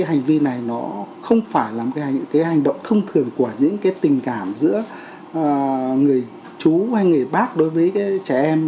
hành vi này không phải là hành động thông thường của những tình cảm giữa người chú hay người bác đối với trẻ em